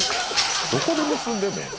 どこで結んでんねん。